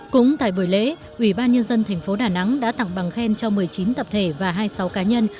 cũng tại buổi lễ ủy ban nhân dân thành phố đà nẵng đã tặng bằng khen cho một mươi chín tập thể và hai mươi sáu cá nhân